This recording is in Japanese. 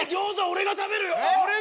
俺が食べるよ！